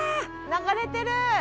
流れてる。